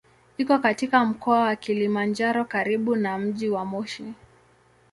Iko katika Mkoa wa Kilimanjaro karibu na mji wa Moshi.